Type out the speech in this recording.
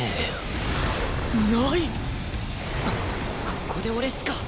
ここで俺っすか？